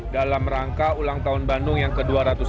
dalam rangka ulang tahun bandung yang ke dua ratus dua puluh